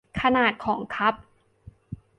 ขนาดของคัพ